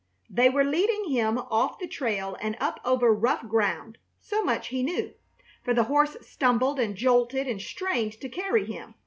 They were leading him off the trail and up over rough ground; so much he knew, for the horse stumbled and jolted and strained to carry him.